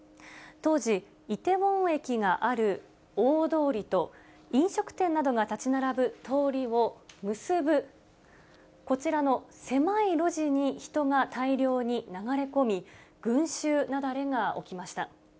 当時、イテウォン駅がある大通りと飲食店などが建ち並ぶ通りを結ぶ、こちらの狭い路地に人が大量に流れ込み、群衆雪崩が起きました。